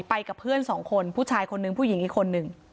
ไปกับเพื่อน๒คนผู้ชาย๑ผู้หญิง๑คน